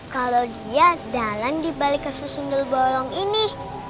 kalau dia dalang dibalik kasus sundel bolong ini